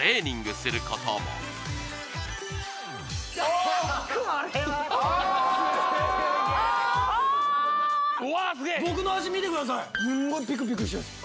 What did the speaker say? すんごいピクピクしてます